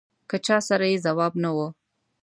له چا سره یې ځواب نه و.